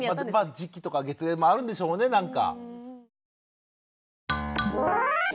時期とか月齢もあるんでしょうねなんか。